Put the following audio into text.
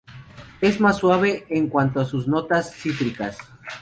Es más suave en cuanto a sus notas cítricas.